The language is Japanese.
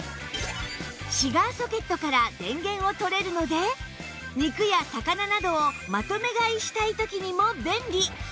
シガーソケットから電源をとれるので肉や魚などをまとめ買いしたい時にも便利！